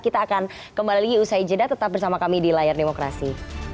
kita akan kembali lagi usai jeda tetap bersama kami di layar demokrasi